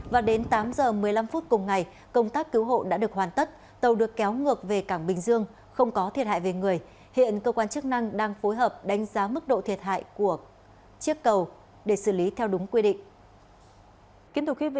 và đến tám giờ một mươi năm phút cùng ngày công tác cứu hộ đã được hoàn tất tàu được kéo ngược về cảng bình dương không có thiệt hại về người hiện cơ quan chức năng đang phối hợp đánh giá mức độ thiệt hại của chiếc cầu để xử lý theo đúng quy định